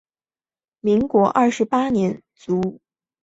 民国二十八年卒。